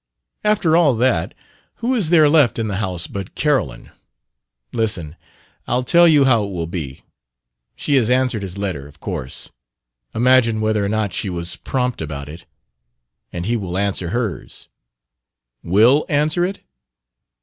"After all that, who is there left in the house but Carolyn? Listen; I'll tell you how it will be. She has answered his letter, of course, imagine whether or not she was prompt about it! and he will answer hers " "Will answer it?"